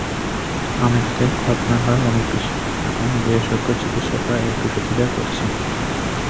আমেরিকায় খৎনার হার অনেক বেশি, এবং বিশেষজ্ঞ চিকিৎসকরা এর বিরোধিতা করেছেন।